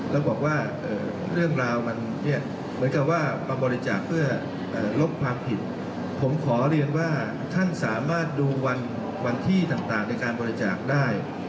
แล้วบอกว่าเรื่องราวมันเนี่ยเหมือนกับว่ามาบริจาคเพื่อลบความผิดผมขอเรียนว่าท่านสามารถดูวันที่ต่างในการบริจาคได้